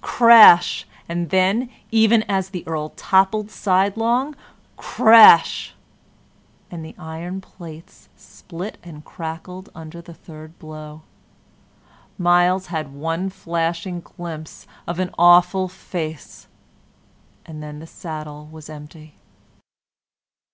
crash! And then, even as the Earl toppled sidelong, crash! And the iron plates split and crackled under the third blow. Myles had one flashing glimpse of an awful face, and then the saddle was empty.